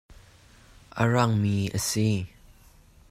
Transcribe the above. Araang mi a si.